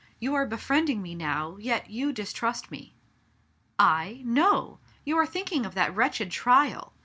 " You are be friending me now, yet you distrust me." " I ? No ! You are thinking of that wretched trial!"